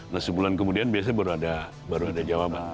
nah sebulan kemudian biasanya baru ada jawaban